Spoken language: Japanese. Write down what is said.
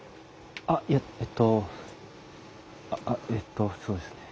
あっいええっとあっえっとそうですね。